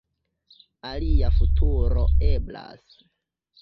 Alia futuro eblas.